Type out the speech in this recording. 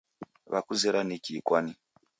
Wakuzera ni kii kwani?